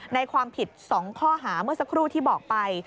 ในความผิด๒ข้อหาเมื่อสักครู่ที่บอกไป